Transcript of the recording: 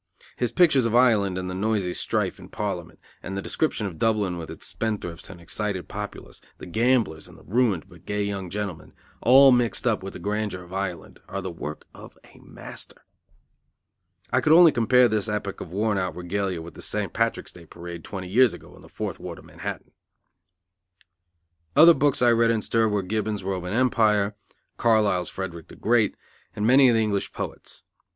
His pictures of Ireland and of the noisy strife in Parliament, the description of Dublin with its spendthrifts and excited populace, the gamblers and the ruined but gay young gentlemen, all mixed up with the grandeur of Ireland, are the work of a master. I could only compare this epoch of worn out regalia with a St. Patrick's day parade twenty years ago in the fourth ward of Manhattan. Other books I read in stir were Gibbon's Roman Empire, Carlyle's Frederick the Great, and many of the English poets.